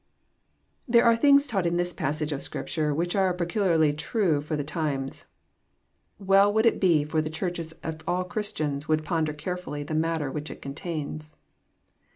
There are things taught in this passage of Scripture which are peculiarly tmth for the times. Well wonld it be for the Churches if all Christians would ponder carefully the matter which it contains.